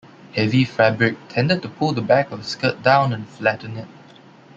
Heavy fabric tended to pull the back of a skirt down and flatten it.